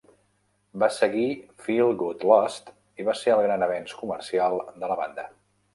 Va seguir "Feel Good Lost", i va ser el gran avenç comercial de la banda.